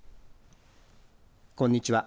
こんにちは。